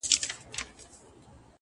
پرمختګ د ثابت حرکت نوم دی’